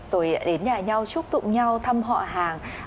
rồi đến nhà nhau chúc tụng nhau thăm họ hàng